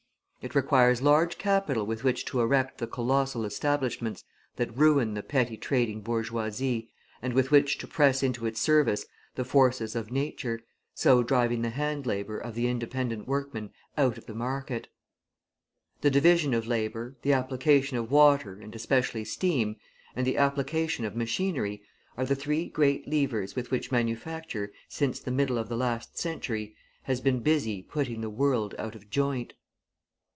It requires large capital with which to erect the colossal establishments that ruin the petty trading bourgeoisie and with which to press into its service the forces of Nature, so driving the hand labour of the independent workman out of the market. The division of labour, the application of water and especially steam, and the application of machinery, are the three great levers with which manufacture, since the middle of the last century, has been busy putting the world out of joint.